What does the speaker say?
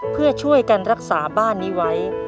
เพื่อช่วยกันรักษาบ้านนี้ไว้